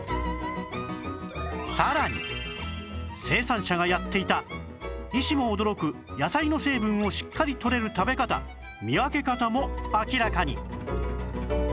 さらに生産者がやっていた医師も驚く野菜の成分をしっかりとれる食べ方見分け方も明らかに